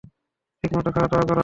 ঠিক মতো খাওয়া দাওয়া কোরো।